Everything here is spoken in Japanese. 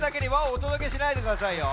おとどけしないでくださいよ。